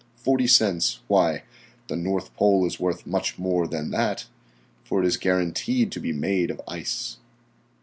Forty cents; why, the North Pole is worth much more than that, for it is guaranteed to be made of ice."